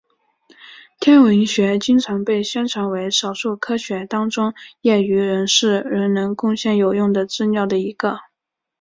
天文学经常被宣传为少数科学当中业余人士仍能贡献有用的资料的一个。